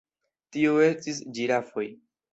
Tio estis ĝirafoj.